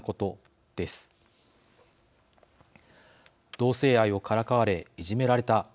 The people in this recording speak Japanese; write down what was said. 同性愛をからかわれいじめられた。